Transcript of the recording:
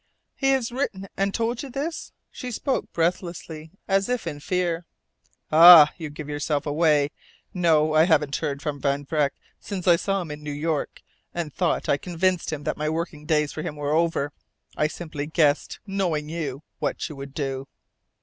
"He has written and told you this!" She spoke breathlessly, as if in fear. "Ah, you give yourself away! No, I haven't heard from Van Vreck since I saw him in New York, and thought I convinced him that my working days for him were over. I simply guessed knowing you what you would do."